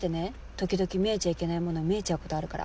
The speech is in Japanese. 時々見えちゃいけないもの見えちゃうことあるから。